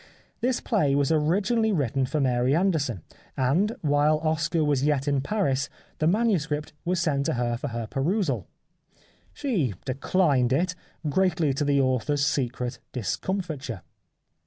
This play was originally written for Mary Anderson, and while Oscar was yet in Paris the manuscript was sent to her for her perusal. She declined it, greatly to the author's secret discomfiture.